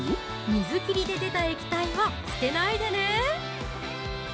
水切りで出た液体は捨てないでねー！